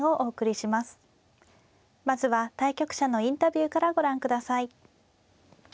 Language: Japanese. まずは対局者のインタビューからご覧ください。